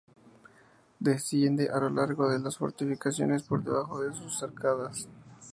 Desciende a lo largo de las fortificaciones por debajo de sus arcadas.